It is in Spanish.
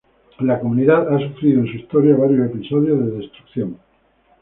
La comunidad ha sufrido en su historia varios episodios de destrucción.